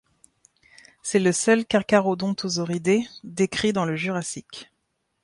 C'est le seul carcharodontosauridé décrit dans le Jurassique.